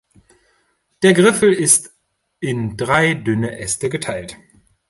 Der Griffel ist in drei dünne Äste geteilt.